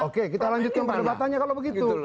oke kita lanjutkan perdebatannya kalau begitu